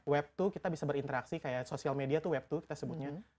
web dua kita bisa berinteraksi kayak sosial media tuh web dua kita sebutnya